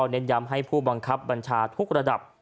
เน้นย้ำให้ผู้บังคับบัญชาทุกระดับ